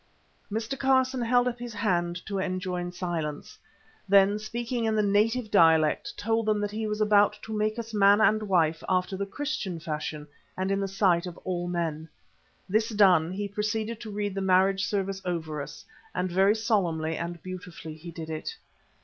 Mr. Carson held up his hand to enjoin silence. Then, speaking in the native dialect, he told them that he was about to make us man and wife after the Christian fashion and in the sight of all men. This done, he proceeded to read the marriage service over us, and very solemnly and beautifully he did it.